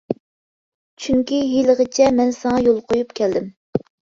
چۈنكى ھېلىغىچە مەن ساڭا يول قويۇپ كەلدىم.